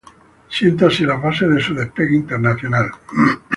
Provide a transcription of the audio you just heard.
Sienta así las bases de su despegue internacional.